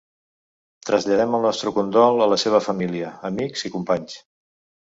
Traslladem el nostre condol a la seva família, amics i companys.